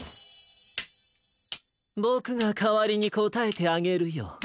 ボクがかわりにこたえてあげるよ。